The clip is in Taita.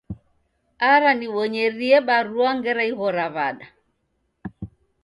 Ara nibonyerie barua ngera ighora w'ada.